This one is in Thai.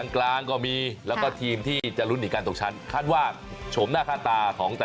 กลางก็มีแล้วก็ทีมที่จะลุ้นที่กานตกชั้นคาดว่าโฉมหน้าค่าตาของแต่ละทีมจะเป็นแบบนี้